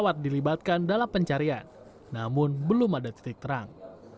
kri layang tersebut dilibatkan dalam pencarian namun belum ada titik terang